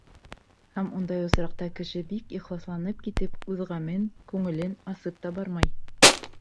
Һәм ундай осраҡта кеше бик ихласланып китеп үҙ ғәмен, күңелен асып та бармай.